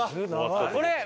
これ。